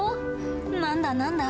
何だ何だ？